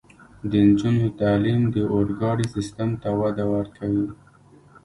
د نجونو تعلیم د اورګاډي سیستم ته وده ورکوي.